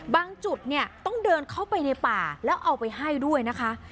จุดเนี่ยต้องเดินเข้าไปในป่าแล้วเอาไปให้ด้วยนะคะ